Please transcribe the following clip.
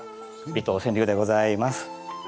尾藤川柳でございます。